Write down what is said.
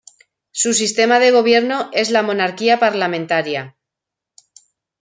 Su sistema de gobierno es la monarquía parlamentaria.